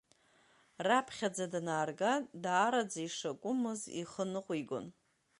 Раԥхьаӡа данаарга даараӡа ишакәымыз ихы ныҟәигон.